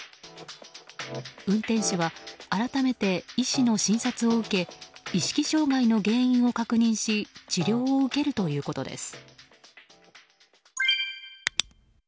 運転手は改めて医師の診察を受け意識障害の原因を確認し治療を受けるということです。